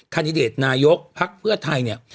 คันดิเดตนายกภักดิ์เพื่อไทยเนี่ย